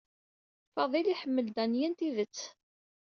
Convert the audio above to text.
Faḍil iḥemmel Danya n tidet.